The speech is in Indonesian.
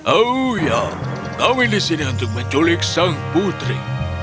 oh ya kami di sini untuk menculik sang putri